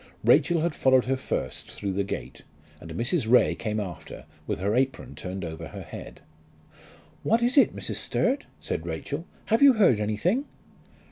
Rachel had followed her first through the gate, and Mrs. Ray came after with her apron turned over her head. "What is it, Mrs. Sturt?" said Rachel. "Have you heard anything?"